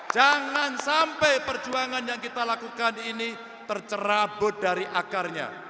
jangan sampai perjuangan yang kita lakukan ini tercerabut dari akarnya